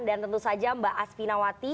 dan tentu saja mbak asfi nawati